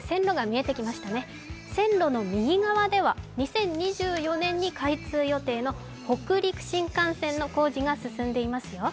線路の右側では２０２年に開通予定の北陸新幹線の建設が進んでいますよ。